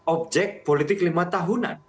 objek politik lima tahunan